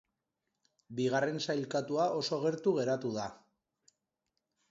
Bigarren sailkatua oso gertu geratu da.